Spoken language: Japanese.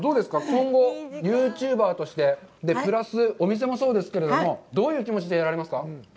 今後ユーチューバーとして、プラス、お店もそうですけれども、どういう気持ちでやられますか。